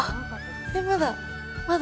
えっまだまだ。